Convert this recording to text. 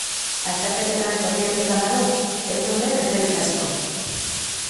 Azterketetan kopiatu izan banu ez nukeen ezer ikasiko.